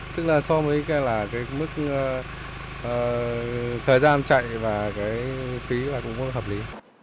tức là so với là cái mức thời gian chạy và cái phí là cũng hợp lý